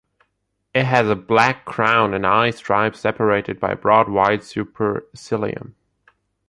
It has a black crown and eye stripes separated by a broad white supercilium.